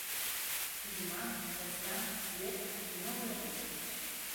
Зіма, вясна, лета і новая восень.